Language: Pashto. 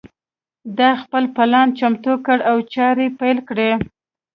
دای خپل پلان چمتو کړ او چارې پیل کړې.